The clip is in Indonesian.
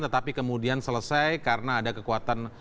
tetapi kemudian selesai karena ada kekuatan